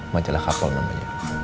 majalah kapol namanya